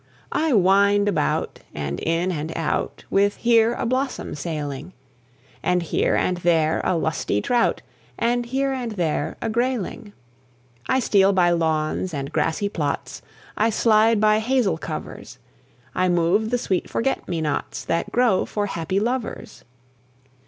I wind about, and in and out, With here a blossom sailing, And here and there a lusty trout, And here and there a grayling. I steal by lawns and grassy plots, I slide by hazel covers; I move the sweet forget me nots That grow for happy lovers.